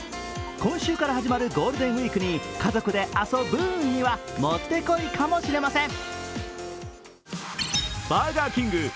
今週から始まるゴールデンウイークに家族で遊ぶーんには持ってこいかもしれません。